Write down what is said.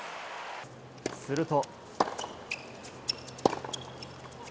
すると。